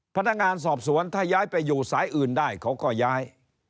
พนักงานสอบสวนถ้าย้ายไปอยู่สายอื่นได้เขาก็ย้าย